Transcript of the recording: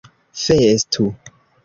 festu